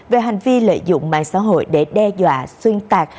về hành vi lợi dụng mạng xã hội để đe dọa xuyên tạc